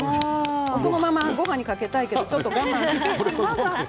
このままごはんにかけたいけど我慢して。